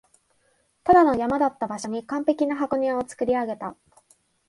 ただの山だった場所に完璧な箱庭を造り上げた